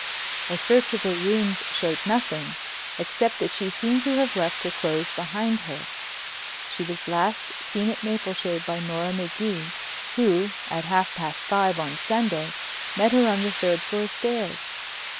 A search of her rooms showed nothing, except that she seemed to have left her clothes behind her. She was last seen at Mapleshade by Nora Magee, who, at half past five on Sunday, met her on the third floor stairs.